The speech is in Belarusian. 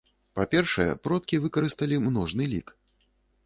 Па-першае, продкі выкарысталі множны лік.